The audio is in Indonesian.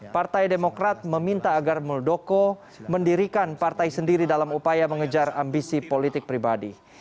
partai demokrat meminta agar muldoko mendirikan partai sendiri dalam upaya mengejar ambisi politik pribadi